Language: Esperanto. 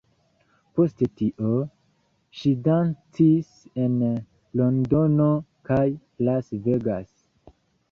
Post tio, ŝi dancis en Londono kaj Las Vegas.